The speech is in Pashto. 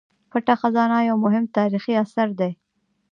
پټه خزانه یو مهم تاریخي اثر دی.